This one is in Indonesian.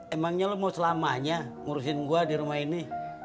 emangnya lo mau selamanya ngurusin gue di rumah ini